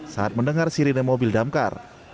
saat mendengar sirine mobil damkar